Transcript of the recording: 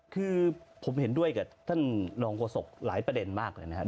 คือผมเห็นด้วยกับท่านรองโฆษกหลายประเด็นมากเลยนะครับ